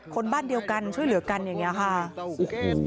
คนบ้านเดียวกันช่วยเหลือกันอย่างนี้ค่ะโอ้โห